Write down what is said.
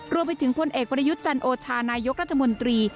รวมไปถึงพ่นเอกพระยุทธจันโอชานายกรัฐมนตรี